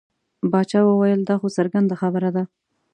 باچا وویل دا خو څرګنده خبره ده.